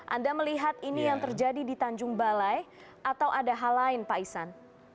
anda melihat ini yang terjadi di tanjung balai atau ada hal lain pak isan